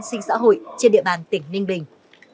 các chính sách an sinh xã hội trên địa bàn tỉnh ninh bình